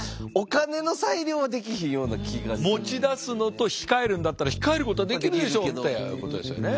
持ち出すのと控えるんだったら控えることはできるでしょうってことですよね。